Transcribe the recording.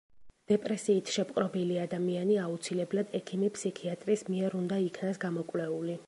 დეპრესიით შეპყრობილი ადამიანი აუცილებლად ექიმი–ფსიქიატრის მიერ უნდა იქნას გამოკვლეული.